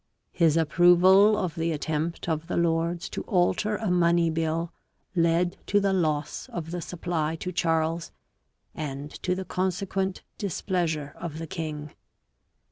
His approval of the attempt of the Lords to alter a money bill led to the loss of the supply to Charles and to the consequent displeasure of the king.